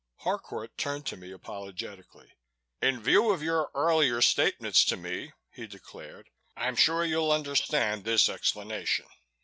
Harcourt turned to me apologetically. "In view of your earlier statements to me," he declared, "I'm sure you will understand this explanation.